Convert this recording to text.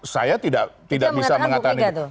saya tidak bisa mengatakan